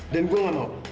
dan gue gak mau